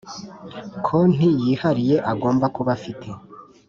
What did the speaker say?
konti yihariye agomba kuba afite